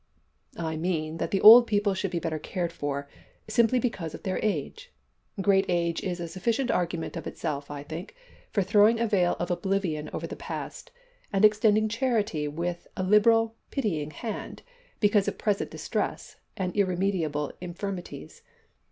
"I mean that the old people should be better cared for, simply because of their age. Great age is a sufficient argument of itself, I think, for throwing a veil of oblivion over the past, and extending charity with a liberal, pitying hand, because of present distress, and irremediable infirmities.